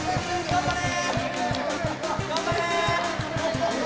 頑張れ！